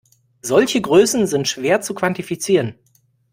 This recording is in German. Solche Größen sind schwer zu quantifizieren.